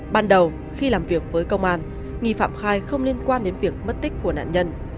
ban đầu khi làm việc với công an nghi phạm khai không liên quan đến việc mất tích của nạn nhân